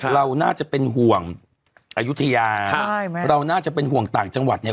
เราน่าจะเป็นห่วงอายุทยาเราน่าจะเป็นห่วงต่างจังหวัดเนี่ย